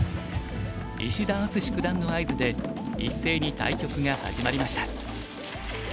石田篤志九段の合図で一斉に対局が始まりました。